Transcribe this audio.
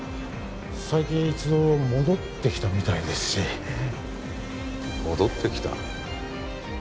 最近一度戻ってきたみたいですし戻ってきた？